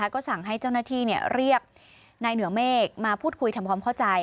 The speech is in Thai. ก็สั่งให้เจ้าหน้าที่เรียกนายเหนือเมฆมาพูดคุยทำความเข้าใจ